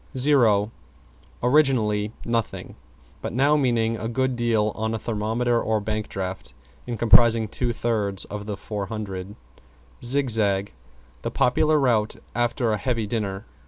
=ZERO= Originally, nothing; but now meaning a good deal on a thermometer or bank draft, and comprising two thirds of the 400. =ZIGZAG= The popular route after a heavy dinner.